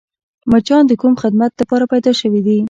مچان د کوم خدمت دپاره پیدا شوي دي؟